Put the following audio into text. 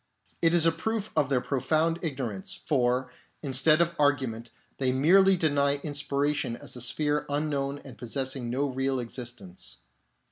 It is a proof of their pro found ignorance ; for, instead of argument, they 52 THE ANALOGY OF SLEEP merely deny inspiration as a sphere unknown and possessing no real existence.